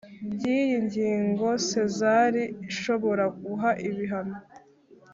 By iyi ngingo sezar ishobora guha ibihano